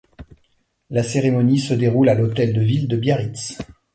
La cérémonie se déroule à l'hôtel de ville de Biarritz.